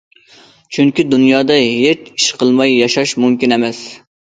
چۈنكى، دۇنيادا ھېچ ئىش قىلماي ياشاش مۇمكىن ئەمەس.